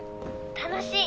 楽しい！